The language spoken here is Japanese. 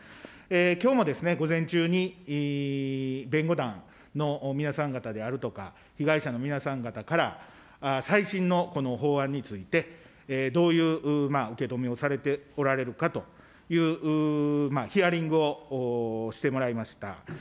きょうもですね、午前中に弁護団の皆さん方であるとか、被害者の皆さん方から、最新の法案について、どういう受け止めをされておられるかというヒアリングをしてもらいました。